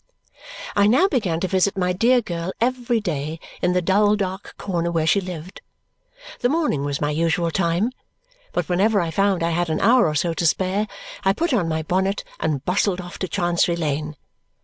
I now began to visit my dear girl every day in the dull dark corner where she lived. The morning was my usual time, but whenever I found I had an hour or so to spare, I put on my bonnet and bustled off to Chancery Lane.